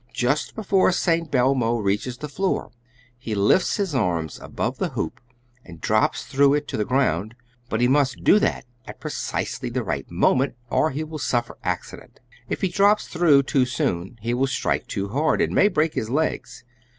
Just before St. Belmo reaches the floor he lifts his arms above the hoop and drops through it to the ground, but he must do that at precisely the right moment, or he will suffer accident. If he drops through too soon he will strike too hard, and may break his legs.